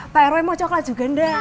pak rw mau coklat juga enggak